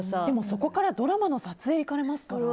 そこからドラマの撮影行かれますから。